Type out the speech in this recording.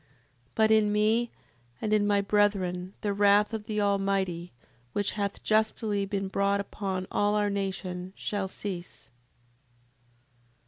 7:38. But in me, and in my brethren, the wrath of the Almighty, which hath justly been brought upon all our nation, shall cease.